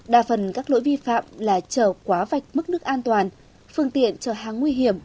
đa phần các lỗi vi phạm là chở quá vạch mức nước an toàn phương tiện trở hàng nguy hiểm